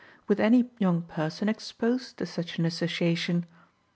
with any young person exposed to such an association.